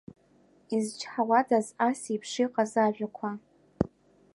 Изчҳауадаз асеиԥш иҟаз ажәақәа?